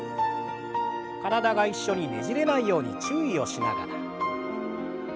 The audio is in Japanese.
体が一緒にねじれないように注意をしながら。